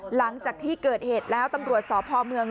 หลังจากที่เกิดเหตุแล้วตำรวจสพเมือง